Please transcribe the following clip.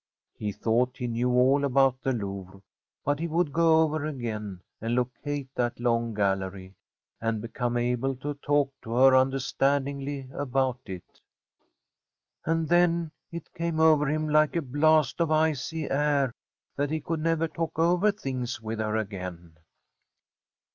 He thought he knew all about the Louvre, but he would go over again and locate that long gallery, and become able to talk to her understandingly about it. And then it came over him like a blast of icy air that he could never talk over things with her again.